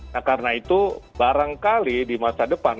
nah karena itu barangkali di masa depan